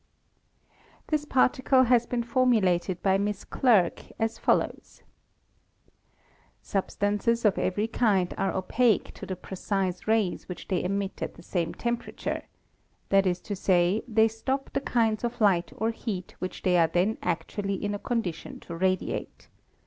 This principle has been formulated by Miss Clerke as follows : "Substances of every kind are opaque to the pre cise rays which they emit at the same temperature — that is to say, they stop the kinds of light or heat which they are then actually in a condition to radiate.